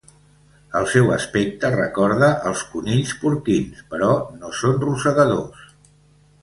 El seu aspecte recorda els conills porquins, però no són rosegadors.